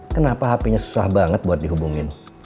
kenapa hapenya susah banget buat dihubungin